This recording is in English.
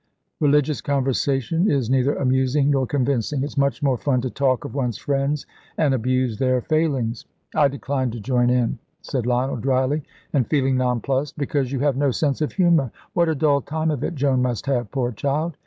Religious conversation is neither amusing nor convincing. It's much more fun to talk of one's friends and abuse their failings." "I decline to join in," said Lionel, dryly, and feeling nonplussed. "Because you have no sense of humour. What a dull time of it Joan must have, poor child!"